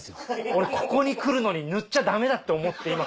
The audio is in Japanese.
俺ここに来るのに塗っちゃダメだと思って今。